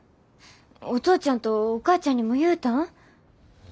お父ちゃんとお母ちゃんにも言うたん？